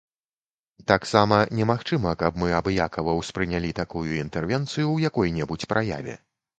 Таксама немагчыма каб мы абыякава ўспрынялі такую інтэрвенцыю ў якой-небудзь праяве.